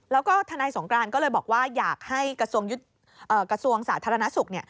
แล้วก็ทนายสงกรานก็เลยบอกว่าอยากให้กระทรวงสาธารณสุข